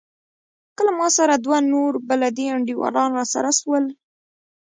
له ما سره دوه نور بلدي انډيوالان راسره سول.